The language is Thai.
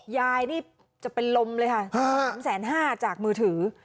ยายนี่จะเป็นลมเลยค่ะ๓๕๐๐จากมือถือ